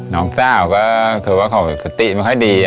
น้องสาวก็คือว่าเขาสติไม่ค่อยดี